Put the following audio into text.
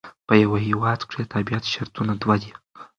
په یوه هیواد کښي د تابیعت شرطونه دوه دي.